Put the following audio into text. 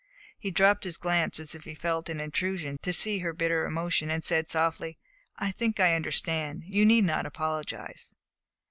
He dropped his glance as if he felt it an intrusion to see her bitter emotion, and said softly: "I think I understand. You need not apologize."